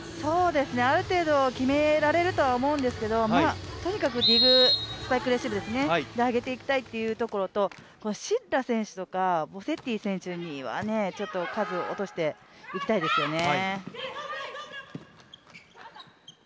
ある程度決められるとは思うんですけどとにかくディグ、スパイクレシーブで上げていきたいというところとシッラ選手とかボセッティ選手にはちょっと数、落として行きたいですよね。